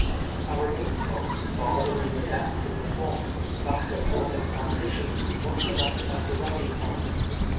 A remote spot, far within the depths of the swamp, back of Hawkins' plantation, was selected as the ral lying point.